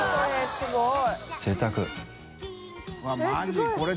すごい。